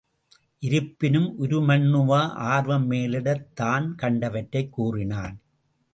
இருப்பினும் உருமண்ணுவா ஆர்வம் மேலிடத் தான் கண்டவற்றைக் கூறினான்.